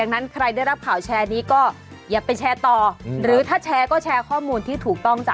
นั่นแหละไปให้ถูกจูดดีกว่า